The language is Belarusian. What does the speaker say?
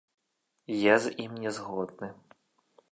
Я з ім не згодны.